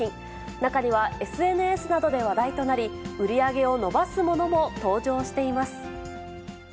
中にはＳＮＳなどで話題となり、売り上げを伸ばすものも登場しています。